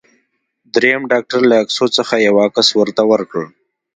دریم ډاکټر له عکسو څخه یو عکس ورته ورکړ.